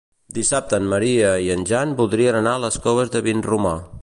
Dissabte en Maria i en Jan voldrien anar a les Coves de Vinromà.